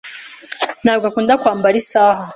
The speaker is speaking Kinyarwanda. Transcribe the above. ntabwo akunda kwambara isaha.